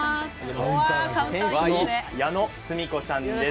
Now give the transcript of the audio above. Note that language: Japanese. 店主の矢野寿美子さんです。